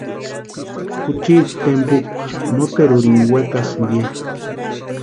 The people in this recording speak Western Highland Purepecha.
Juchiti tempukwa noterurini wekasïnti ya.